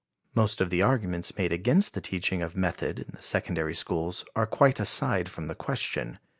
Most of the arguments made against the teaching of method in the secondary schools are quite aside from the question.